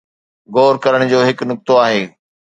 غور ڪرڻ جو هڪ نقطو آهي.